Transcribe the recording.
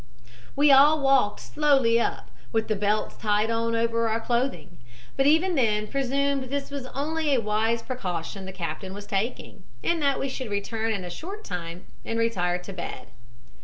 "We all walked slowly up, with the belts tied on over our clothing, but even then presumed this was only a wise precaution the captain was taking, and that we should return in a short time and retire to bed.